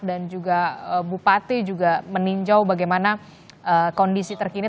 juga bupati juga meninjau bagaimana kondisi terkini